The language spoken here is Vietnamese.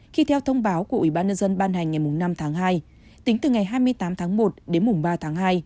khi theo thông báo của ubnd ban hành ngày năm tháng hai tính từ ngày hai mươi tám tháng một đến ba tháng hai